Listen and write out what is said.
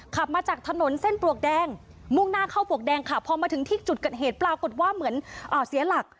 ขับมาจากถนนเส้นปลวกแดงมุ่งหน้าเข้าปลวกแดงค่ะพอมาถึงที่จุดเกิดเหตุปรากฏว่าเหมือนเสียหลัก